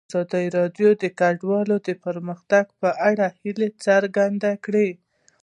ازادي راډیو د کډوال د پرمختګ په اړه هیله څرګنده کړې.